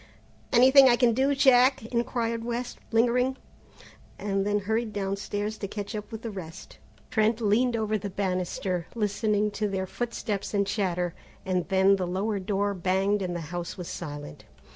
"Anything I can do, Jack?" inquired West, lingering, and then hurried downstairs to catch up with the rest. Trent leaned over the banisters, listening to their footsteps and chatter, and then the lower door banged and the house was silent.